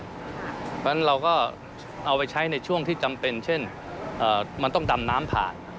เพราะฉะนั้นเราก็เอาไปใช้ในช่วงที่จำเป็นเช่นมันต้องดำน้ำผ่าน